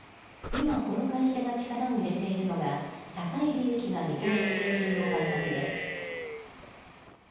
今この会社が力を入れているのが高い利益が見込める製品の開発です。